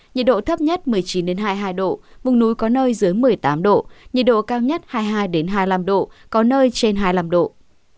nhiệt độ thấp nhất một mươi chín hai mươi hai độ vùng núi có nơi dưới một mươi tám độ nhiệt độ cao nhất hai mươi hai hai mươi năm độ có nơi trên hai mươi năm độ